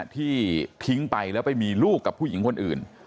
ที่ทิ้งไปแล้วไปมีลูกกับผู้หญิงคนอื่น